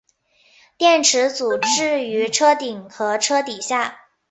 电池组置于车顶和车底下。